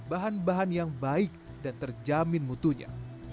bahan bahan yang baik dan terjamin mutunya